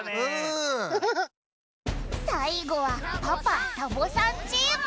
さいごはパパ＆サボさんチーム。